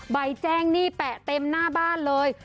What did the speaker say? ใบแจ้งหนี้แปะเต็มหน้าบ้านเลย